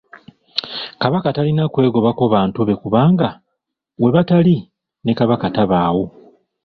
Kabaka talina kwegobako bantu be kubanga webatali ne Kabaka tabaawo.